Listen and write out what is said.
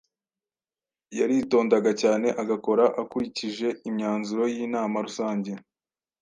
yaritondaga cyane agakora akurikije imyanzuro y’inama rusange